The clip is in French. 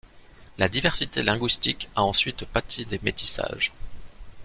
La diversité linguistique a ensuite pâti des métissages.